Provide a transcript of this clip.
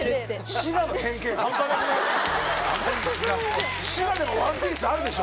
滋賀でもワンピースあるでしょ。